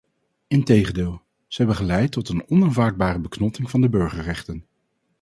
Integendeel, ze hebben geleid tot een onaanvaardbare beknotting van de burgerrechten.